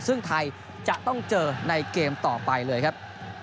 ซึ่งไทยจะต้องเจอในเกมต่อไปเลยครับ